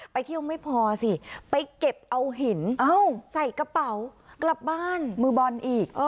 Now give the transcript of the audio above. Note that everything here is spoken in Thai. ไปเที่ยวไม่พอสิไปเก็บเอาหินใส่กระเป๋ากลับบ้านมือบอลอีก